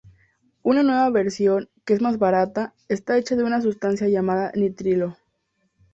Una nueva versión, que es más barata, está hecha de una sustancia llamada nitrilo.